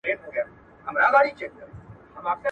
دیني پوهنې د ټولني اخلاقي ارزښتونه پیاوړي کوي.